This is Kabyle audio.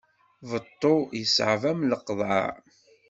Beṭṭu yeṣɛeb am leqḍaɛ.